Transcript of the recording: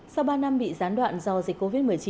sau ba năm bị gián đoạn do dịch covid một mươi chín